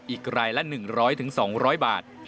อีกรายละ๑๐๐๒๐๐บาท